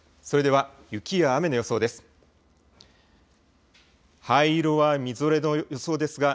それでは、雪や雨の予想です。